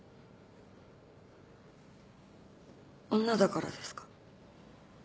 女だからですか？